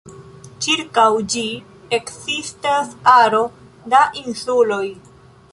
Ĉirkaŭ ĝi ekzistas aro da insuloj.